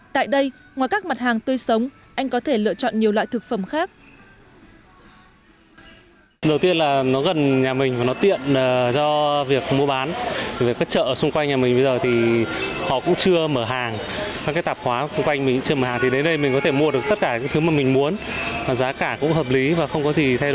tại đây ngoài các mặt hàng tươi sống anh có thể lựa chọn nhiều loại thực phẩm khác